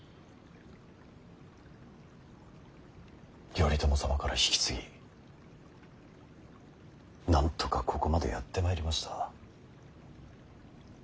頼朝様から引き継ぎなんとかここまでやってまいりました。